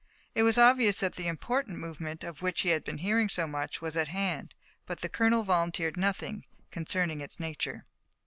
It was obvious that the important movement, of which he had been hearing so much, was at hand, but the colonel volunteered nothing concerning its nature.